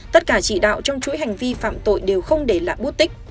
tất cả chỉ đạo trong chuỗi hành vi phạm tội đều không để lại bút tích